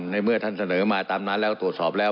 เมื่อท่านเสนอมาตามนั้นแล้วตรวจสอบแล้ว